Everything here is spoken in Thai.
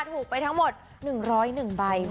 ถูกไปทั้งหมด๑๐๑ใบ